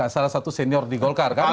salah satu senior di golkar kan